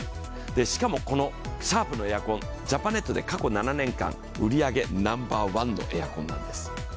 しかも、シャープのエアコン、ジャパネットで過去７年間、売り上げナンバーワンのエアコンなんです。